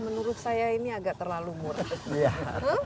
menurut saya ini agak terlalu murah